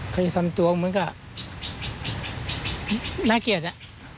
เคยทำตัวเหมือนกับน่าเกลียดอะ